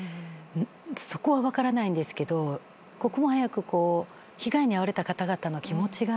そこは分からないんですけど一刻も早く被害に遭われた方々の気持ちが。